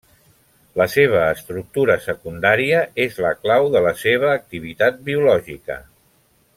La seva estructura secundària és la clau de la seva activitat biològica.